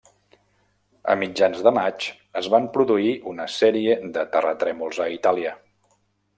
A mitjans de maig es van produir una sèrie de terratrèmols a Itàlia.